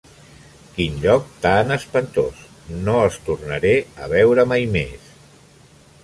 Quin lloc tan espantós; no els tornaré a veure mai més!